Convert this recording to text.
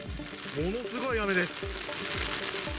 ものすごい雨です。